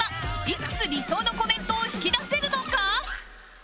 いくつ理想のコメントを引き出せるのか？